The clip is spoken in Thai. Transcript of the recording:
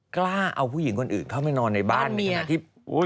กล้าเอาผู้หญิงคนอื่นเข้าไปนอนในบ้านในขณะที่